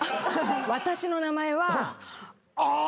私の名前はあぁ